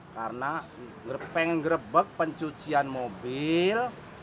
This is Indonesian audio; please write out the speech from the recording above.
karena pengen grebek pencucian mobil